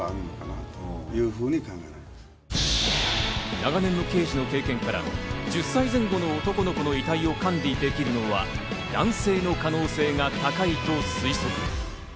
長年の刑事の経験から１０歳前後の男の子の遺体を管理できるのは男性の可能性が高いと推測。